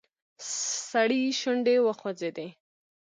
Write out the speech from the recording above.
سړي شونډې وخوځېدې.